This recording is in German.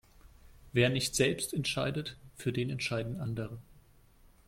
Wer nicht selbst entscheidet, für den entscheiden andere.